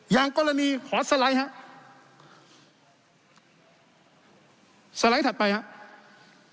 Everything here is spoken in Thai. อย่างกรณีขอสไลด์ฮะสไลด์ถัดไปครับ